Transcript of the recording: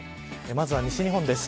まずは西日本です。